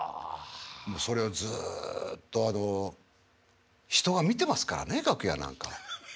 もうそれをずっとあの人が見てますからね楽屋なんか。